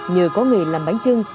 nhờ có nghề làm bánh chưng